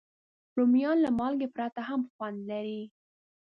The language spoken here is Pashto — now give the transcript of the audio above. رومیان له مالګې پرته هم خوند لري